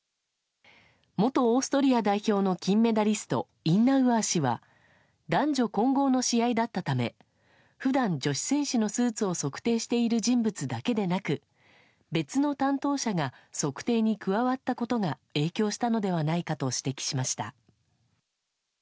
元オーストリア代表の金メダリスト、インナウアー氏は、男女混合の試合だったため、ふだん、女子選手のスーツを測定している人物だけでなく、別の担当者が測定に加わったことが影響したのではないかと指摘しました。